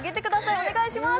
お願いします